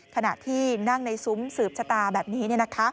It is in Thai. ขณะที่นั่งในซุ้มสืบชะตาแบบนี้